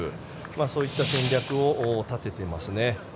そういった戦略を立てていますね。